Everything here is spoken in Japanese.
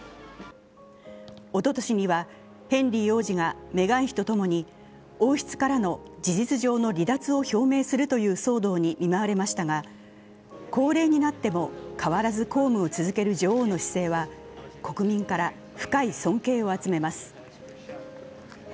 おととしには、ヘンリー王子がメガン妃と共に王室からの事実上の離脱を表明するという騒動に見舞われましたが高齢になっても変わらず公務を続ける女王の姿勢は国民から深い尊敬を集めます。